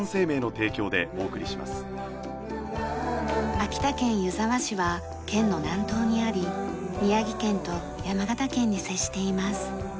秋田県湯沢市は県の南東にあり宮城県と山形県に接しています。